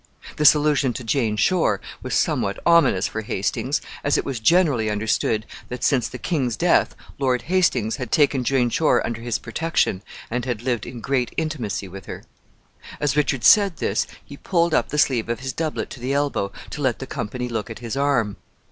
This allusion to Jane Shore was somewhat ominous for Hastings, as it was generally understood that since the king's death Lord Hastings had taken Jane Shore under his protection, and had lived in great intimacy with her. As Richard said this, he pulled up the sleeve of his doublet to the elbow, to let the company look at his arm.